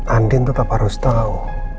andien tetap harus tau